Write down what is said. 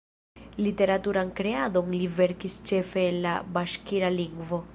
Literaturan kreadon li verkis ĉefe en la baŝkira lingvo.